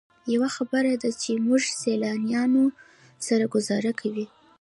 یوه خبره ده چې موږ سیلانیانو سره ګوزاره کوئ.